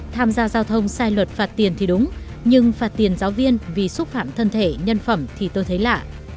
tham gia giao thông sai luật phạt tiền thì đúng nhưng phạt tiền giáo viên vì xúc phạm thân thể nhân phẩm thì tôi thấy lạ